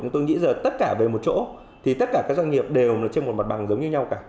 tôi nghĩ là tất cả về một chỗ thì tất cả các doanh nghiệp đều trên một mặt bằng giống như nhau cả